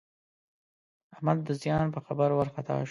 احمد د زیان په خبر وارخطا شو.